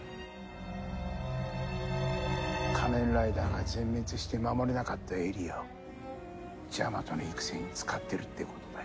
仮面ライダーが全滅して守れなかったエリアをジャマトの育成に使ってるってことだよ。